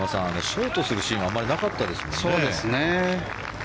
ショートするシーンはあまりなかったですよね。